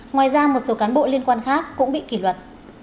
ngoài ra một số cán bộ liên quan khác cũng bị kỷ luật